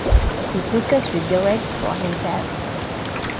He took a cigarette for himself.